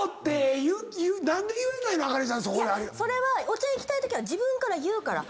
お茶行きたいときは自分から言うから。